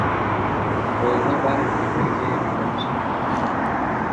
Колунда бар эркектерге үйлөнсүн деп айтам.